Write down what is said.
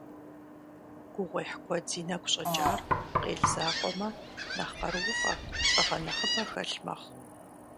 Гугъуехь куэд зи нэгу щӀэкӀар, къел закъуэмэ, нэхъ къарууфӀэ, лӀыгъэ нэхъыбэ хэлъ мэхъу.